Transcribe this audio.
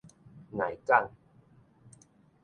礙講